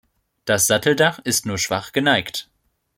Das Satteldach ist nur schwach geneigt.